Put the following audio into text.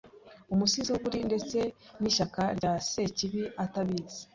umusizi wukuri ndetse nishyaka rya Sekibi atabizi